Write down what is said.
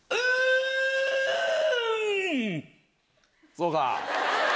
そうか。